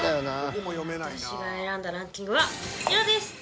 私が選んだランキングはこちらです。